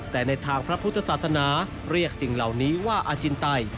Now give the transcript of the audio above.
แต่ในทางพระพุทธศาสนาเรียกสิ่งเหล่านี้ว่าอาจินไต